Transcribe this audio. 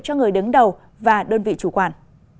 cho người đứng đầu và đơn vị chủ quản